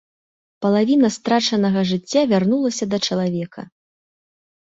Палавіна страчанага жыцця вярнулася да чалавека.